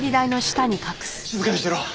静かにしてろ。